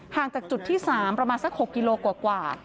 ห่างจากจุดที่๓ประมาณสัก๖กิโลกว่ากว่า